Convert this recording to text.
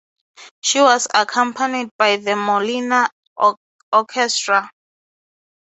She was accompanied by the Molina orchestra.